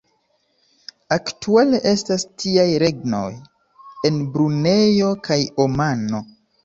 Aktuale estas tiaj regnoj en Brunejo kaj Omano.